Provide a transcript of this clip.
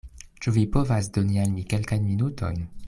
Ĉu vi povas doni al mi kelkajn minutojn?